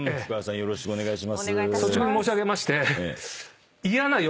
よろしくお願いします。